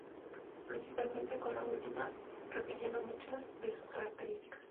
Principalmente, con la última, repitiendo muchas de sus características.